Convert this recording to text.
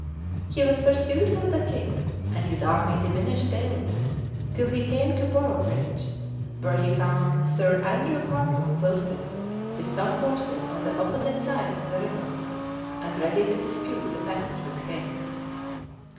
[] He was pursued by the king, and his army diminished daily, till he came to Boroughbridge, where he found Sir Andrew Harcla posted with some forces on the opposite side of the river, and ready to dispute the passage with him.